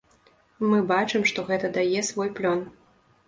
Мы бачым, што гэта дае свой плён.